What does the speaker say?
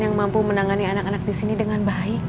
yang mampu menangani anak anak disini dengan baik